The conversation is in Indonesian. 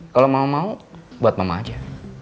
kalau mau mau buat mama aja